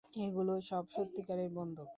এগুলো সব সত্যিকারের বন্দুক?